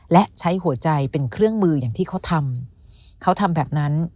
และใช้หัวใจเป็นเครื่องมืออย่างที่เขาทำเขาทำแบบนั้น